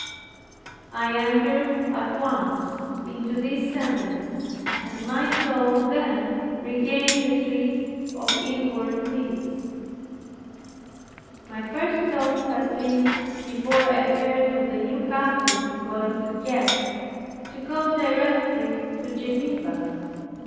I entered at once into these sentiments, and my soul then regained the sweets of inward peace. My first thought had been (before I heard of the New Catholics going to Gex) to go directly to Geneva.